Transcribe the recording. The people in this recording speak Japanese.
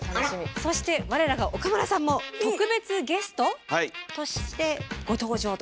そして我らが岡村さんも特別ゲスト？としてご登場と。